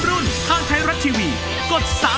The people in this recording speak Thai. ช่วยฝังดินหรือกว่า